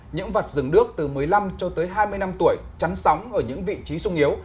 những vặt rừng đước từ một mươi năm cho tới hai mươi năm tuổi chắn sóng ở những vị trí sung yếu